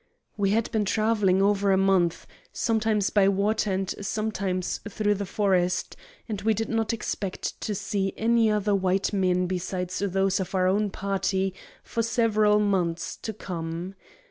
"We had been travelling over a month, sometimes by water and sometimes through the forest, and we did not expect to see any other white men besides those of our own party for several months to come.